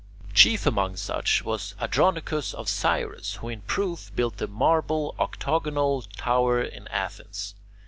Chief among such was Andronicus of Cyrrhus who in proof built the marble octagonal tower in Athens.